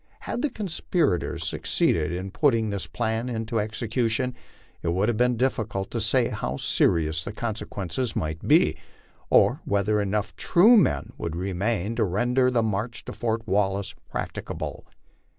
Had the conspirators succeeded in put ting this plan into execution, it would have been difficult to say how serious the consequences might be, or whether enough true men would remain to render the march to Fort Wallace practicable.